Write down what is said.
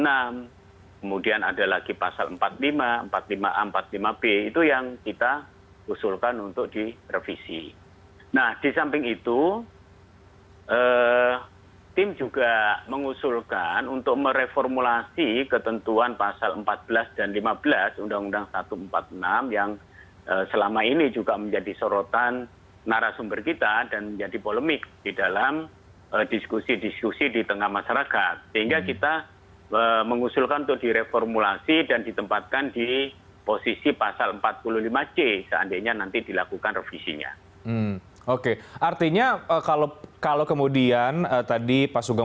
nah di dalam implementasi ini kita menemukan ada penafsiran yang tidak tepat dan lain lain